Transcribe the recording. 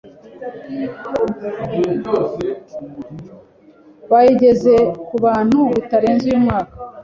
bayigeze ku bantu bitarenze uyu mwaka